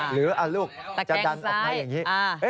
หรือลูกจะดันออกมาอย่างนี้